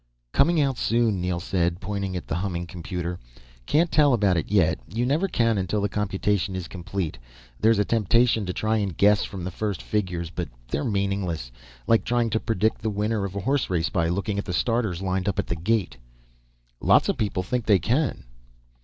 "Coming out soon," Neel said, pointing at the humming computer. "Can't tell about it yet. You never can until the computation is complete. There's a temptation to try and guess from the first figures, but they're meaningless. Like trying to predict the winner of a horse race by looking at the starters lined up at the gate." "Lots of people think they can."